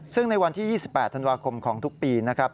ซึ่งในวันที่๒๘ธันวาคมของทุกปีนะครับ